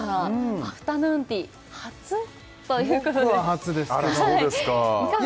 アフタヌーンティー初ということで僕は初ですけどあら